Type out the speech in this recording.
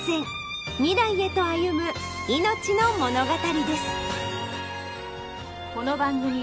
未来へと歩む命の物語です。